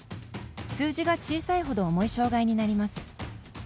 数字が小さいほど重い障がいになります。